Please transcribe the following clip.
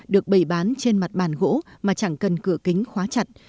được bày bán trên mặt bàn gỗ mà chẳng cần cửa kính khóa chặt